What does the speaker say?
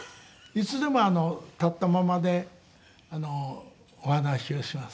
いつでも立ったままでお話をします。